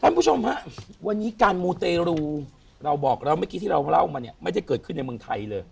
คุณผู้ชมฮะวันนี้การมูเตรูเราบอกแล้วเมื่อกี้ที่เราเล่ามาเนี่ยไม่ได้เกิดขึ้นในเมืองไทยเลย